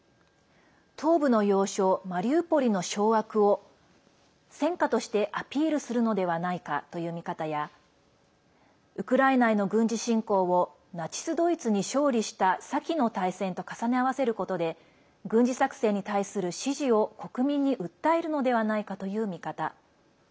東部の要衝マリウポリの掌握を戦果としてアピールするのではないかという見方やウクライナへの軍事侵攻をナチス・ドイツに勝利した先の大戦と重ね合わせることで軍事作戦に対する支持を国民に訴えるのではないかという見方。